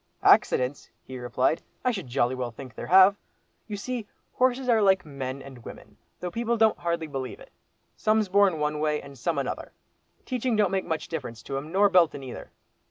"Accidents!" he replied, "I should jolly well think there have. You see, horses are like men and women, though people don't hardly believe it. Some's born one way, and some another; teaching don't make much difference to 'em, nor beltin' either.